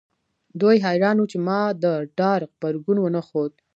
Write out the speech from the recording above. دوی حیران وو چې ما د ډار غبرګون ونه ښود